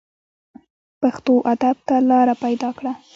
پښتو ادب ته لاره پیدا کړه